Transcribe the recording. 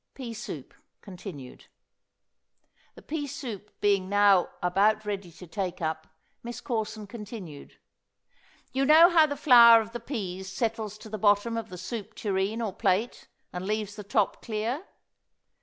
PEA SOUP Continued. (The pea soap being now about ready to take up, Miss Corson continued:) You know how the flour of the peas settles to the bottom of the soup tureen or plate, and leaves the top clear?